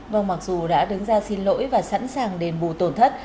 vâng mặc dù đã đứng ra xin lỗi và sẵn sàng đền bù tổn thất